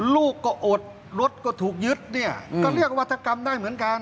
ลูกก็อดรถก็ถูกยึดเนี่ยก็เรียกวัฒกรรมได้เหมือนกัน